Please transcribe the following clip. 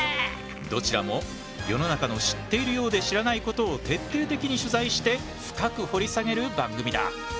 どちらも世の中の知っているようで知らないことを徹底的に取材して深く掘り下げる番組だ。